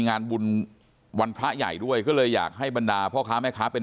งานบุญวันพระใหญ่ด้วยก็เลยอยากให้บรรดาพ่อค้าแม่ค้าเป็น